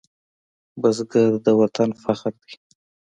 بزګر د وطن فخر دی